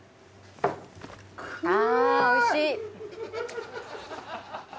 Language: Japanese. あおいしい。